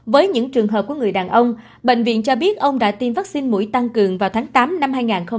với những trường hợp của người đàn ông bệnh viện cho biết ông đã tiêm vaccine mũi tăng cường vào tháng tám năm hai nghìn hai mươi